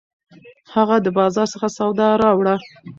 هغه د بازار څخه سودا راوړه